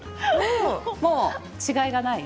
もう違いがない？